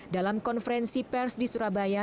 dalam konferensi pers di surabaya